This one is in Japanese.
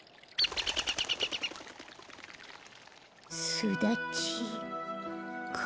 すだちか。